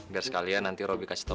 biar sekalian nanti robby kasih tahu